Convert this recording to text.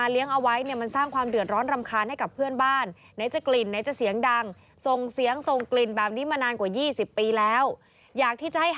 และหาไม่ได้